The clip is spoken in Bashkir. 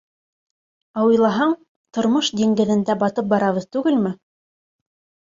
Ә уйлаһаң, тормош диңгеҙендә батып барабыҙ түгелме?